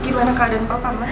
gimana keadaan papa mbak